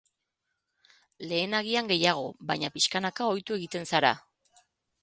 Lehen agian gehiago, baina pixkanaka ohitu egiten zara.